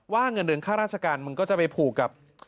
เงินเดือนค่าราชการมึงก็จะไปผูกกับ